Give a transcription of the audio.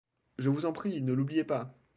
Je vous en prie, ne l’oubliez pas.